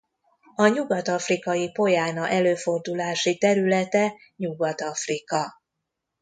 A nyugat-afrikai pojána előfordulási területe Nyugat-Afrika.